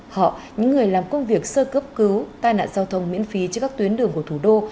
họ những người làm công việc sơ cướp cứu tai nạn giao thông miễn phí trên các tuyến đường của thủ đô